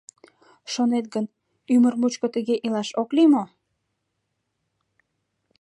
Шонет гын, ӱмыр мучко тыге илаш ок лий мо?